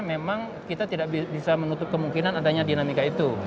memang kita tidak bisa menutup kemungkinan adanya dinamika itu